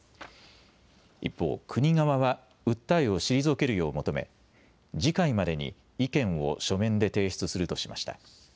一方、国側は訴えを退けるよう求め、次回までに意見を書面で提出するとしました。